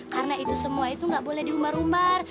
karena itu semua itu nggak boleh dihumbar humbar